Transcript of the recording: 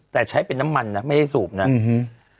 แต่ใช้เป็นน้ำมันนะไม่ได้สูบนะอืม